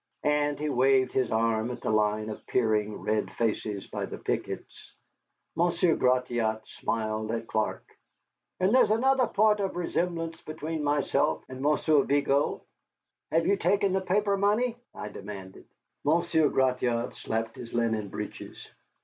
And he waved his arm at the line of peering red faces by the pickets. Monsieur Gratiot smiled at Clark. "And there's another point of resemblance between myself and Monsieur Vigo." "Have you taken the paper money?" I demanded. Monsieur Gratiot slapped his linen breeches.